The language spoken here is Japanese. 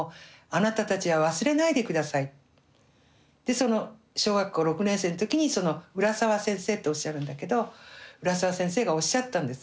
でその小学校６年生の時にその浦沢先生っておっしゃるんだけど浦沢先生がおっしゃったんです。